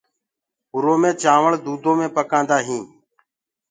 اُرآ مي چآوݪ دُوٚدو مي پڪآندآ هينٚ۔